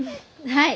はい。